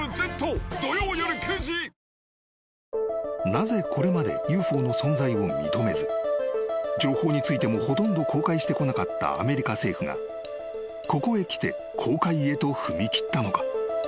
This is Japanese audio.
［なぜこれまでＵＦＯの存在を認めず情報についてもほとんど公開してこなかったアメリカ政府がここへきて公開へと踏み切ったのか？］